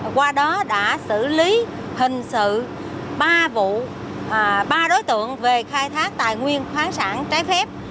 qua đó đã xử lý hình sự ba đối tượng về khai thác tài nguyên khoáng sản trái phép